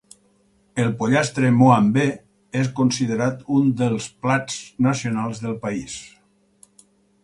El pollastre Moambe és considerat un dels plats nacionals del país.